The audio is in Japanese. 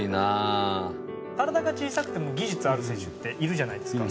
体が小さくても技術ある選手っているじゃないですか。